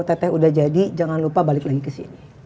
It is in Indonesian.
ott udah jadi jangan lupa balik lagi ke sini